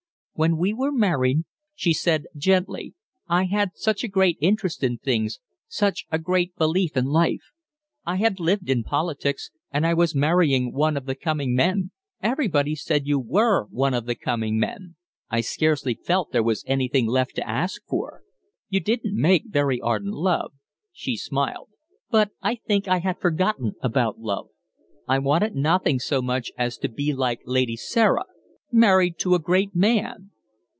"When we were married," she said, gently, "I had such a great interest in things, such a great belief in life. I had lived in politics, and I was marrying one of the coming men everybody said you were one of the coming men I scarcely felt there was anything left to ask for. You didn't make very ardent love," she smiled, "but I think I had forgotten about love. I wanted nothing so much as to be like Lady Sarah married to a great man."